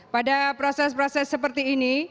pada proses proses seperti ini